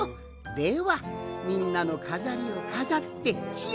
ではみんなのかざりをかざってしあげるぞい。